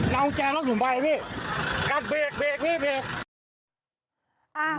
เราแจละถุงใบพี่กันเบียกเบียกพี่เบียก